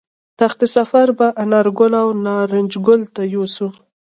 تخت سفر به انارګل او نارنج ګل ته یوسو